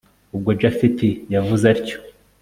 ubwo japhet yavuze atyo